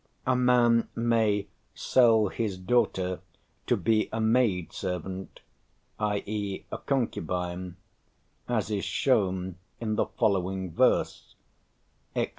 A man may "sell his daughter to be a maidservant" i.e., a concubine, as is shown by the following verse (Ex.